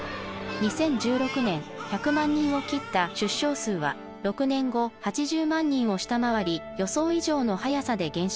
２０１６年１００万人を切った出生数は６年後８０万人を下回り予想以上の速さで減少。